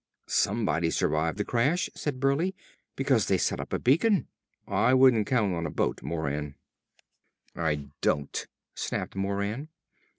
"Somebody survived the crash," said Burleigh, "because they set up a beacon. I wouldn't count on a boat, Moran." "I don't!" snapped Moran.